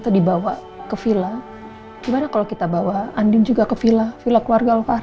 dibawa ke villa gimana kalau kita bawa andin juga ke villa villa keluarga lefas